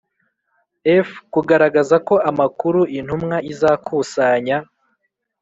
f Kugaragaza ko amakuru intumwa izakusanya